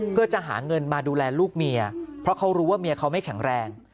เพื่อจะหาเงินมาดูแลลูกเมียเพราะเขารู้ว่าเมียเขาไม่แข็งแรง